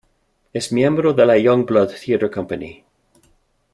Es miembro de la YoungBlood Theatre Company.